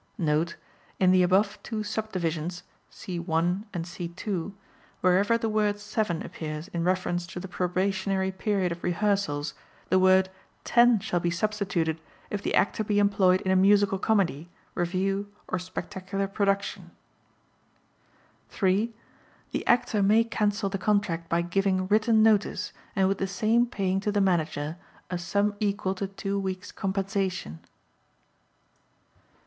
(Note: In the above two subdivisions (C 1 and C 2), wherever the word "seven" appears in reference to the probationary period of rehearsals the word "ten" shall be substituted if the Actor be employed in a musical comedy, revue or spectacular production.) (3) The Actor may cancel the contract by giving written notice and with the same paying to the Manager a sum equal to two weeks' compensation.